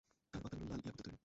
তার পাতাগুলো লাল ইয়াকুতের তৈরি।